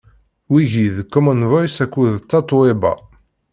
wigi d Common Voice akked Tatoeba.